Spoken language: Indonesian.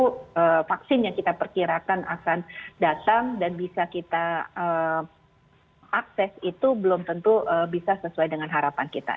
tentu vaksin yang kita perkirakan akan datang dan bisa kita akses itu belum tentu bisa sesuai dengan harapan kita